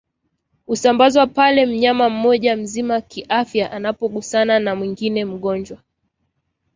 Husambazwa pale mnyama mmoja mzima kiafya anapogusana na mwingine mgonjwa